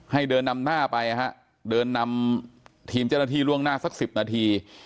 ให้เดินนำหน้าไปฮะเดินนำทีมเจ้าหน้าที่ล่วงหน้าสัก๑๐นาที